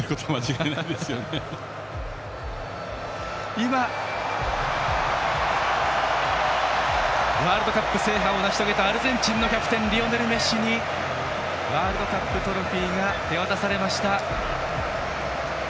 今、ワールドカップ制覇を成し遂げたアルゼンチンのキャプテンリオネル・メッシにワールドカップトロフィーが手渡されました！